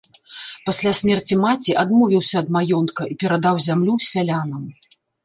Пасля смерці маці адмовіўся ад маёнтка і перадаў зямлю сялянам.